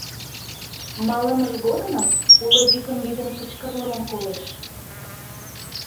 Малымыж годымак уло йӱкын лӱдын кычкырлымым колеш: